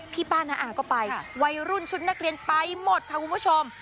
ป้าน้าอ่างก็ไปวัยรุ่นชุดนักเรียนไปหมดค่ะคุณผู้ชม